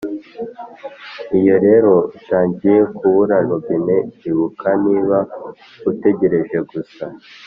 iyo rero utangiye kubura robin, ibuka niba utegereje gusa,